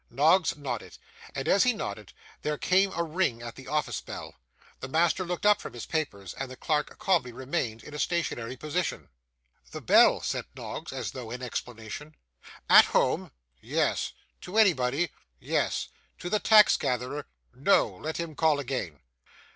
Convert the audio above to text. Noggs nodded; and as he nodded, there came a ring at the office bell. The master looked up from his papers, and the clerk calmly remained in a stationary position. 'The bell,' said Noggs, as though in explanation. 'At home?' 'Yes.' 'To anybody?' 'Yes.' 'To the tax gatherer?' 'No! Let him call again.